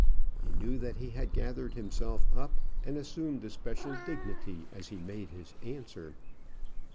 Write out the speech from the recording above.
He knew that he had gathered himself up and assumed a special dignity as he made his answer.